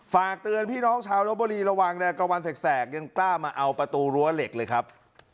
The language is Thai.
ฝากเตือนพี่น้องชาวลบบุรีระวังนะกลางวันแสกยังกล้ามาเอาประตูรั้วเหล็กเลยครับ